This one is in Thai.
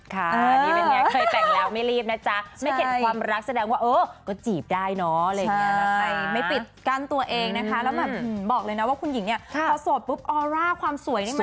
ค่านี้เป็นเนี้ยไม่เห็นความรักสำอาจก็จะจีบได้เนาะ